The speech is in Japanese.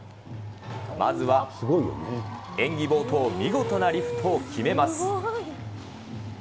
まずは演技冒頭、見事なリフトを決めます。